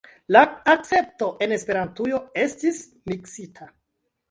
La akcepto en Esperantujo estis… miksita.